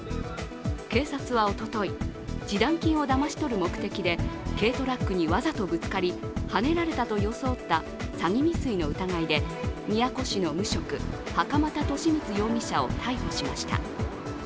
警察は、おととい、示談金をだまし取る目的で軽トラックにわざとぶつかりはねられたと装った詐欺未遂の疑いで宮古市の無職袴田稔光容疑者を逮捕しました。